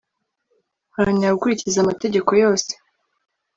haranira gukurikiza amategeko yose